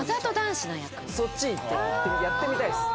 そっちいってやってみたいです。